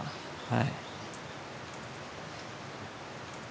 はい。